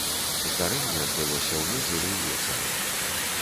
Здарэнне адбылося ў нядзелю ўвечары.